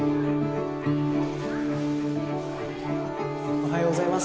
おはようございます。